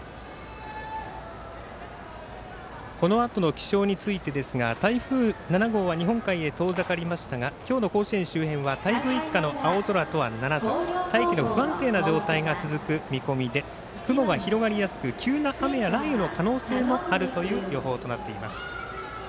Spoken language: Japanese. このあとの気象についてですが台風７号は日本海へ遠ざかりましたが今日の甲子園周辺は台風一過の青空とはならず大気の不安定な状態が続く見込みで雲が広がりやすく急な雨や雷雨の可能性もある予報となっています。